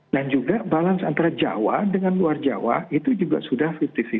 dan juga balance antara jawa dengan luar jawa itu juga sudah lima puluh lima puluh